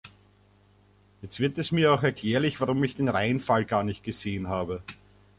Jetzt wird es mir auch erklärlich, warum ich den Rheinfall gar nicht gesehen habe.